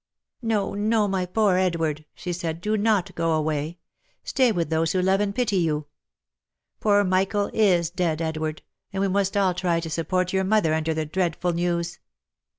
" No, no, my poor Edward !" she said, " do not go away. Stay with those who love and pity you ! Poor Michael is dead, Edward, and we must all try to support your mother under the dreadful news."